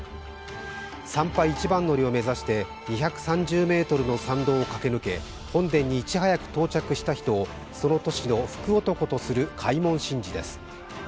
参拝一番乗りを目指して２３０ｍの参道を駆け抜け本殿にいち早く到着した人をその年の福男とする開門神事です。